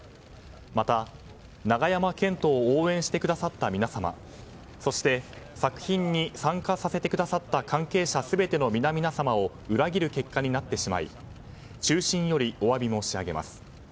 また、永山絢斗を応援してくださった皆様そして、作品に参加させてくださった関係者全ての皆々様を裏切る結果になってしまい衷心よりお詫び申し上げます。